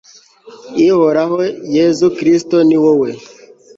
ihoraho, yezu kristu ni wowe